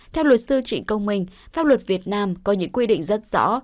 theo luật sư trịnh công minh pháp luật việt nam có những quy định rất rõ